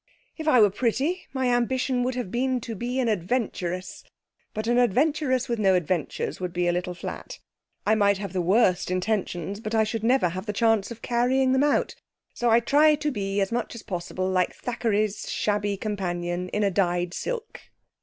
If I were pretty, my ambition would have been to be an adventuress; but an adventuress with no adventures would be a little flat. I might have the worst intentions, but I should never have the chance of carrying them out. So I try to be as much as possible like Thackeray's shabby companion in a dyed silk.'